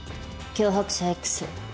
脅迫者Ｘ。